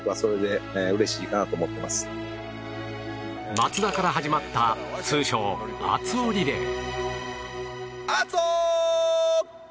松田から始まった通称、熱男リレー。